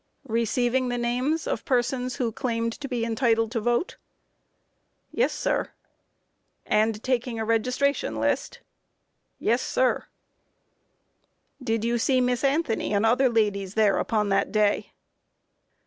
Q. Receiving the names of persons who claimed to be entitled to vote? A. Yes, sir. Q. And taking a registration list? A. Yes, sir. Q. Did you see Miss Anthony and other ladies there upon that day?